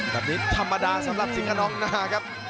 แบบนี้ธรรมดาสำหรับสิงค์กระน้องหน้าครับ